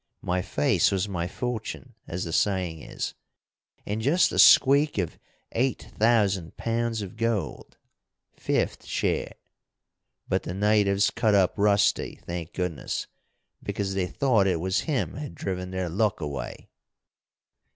My face was my fortune, as the saying is. And just a squeak of eight thousand pounds of gold fifth share. But the natives cut up rusty, thank goodness, because they thought it was him had driven their luck away."